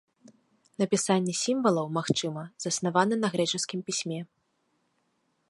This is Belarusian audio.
Напісанне сімвалаў, магчыма, заснавана на грэчаскім пісьме.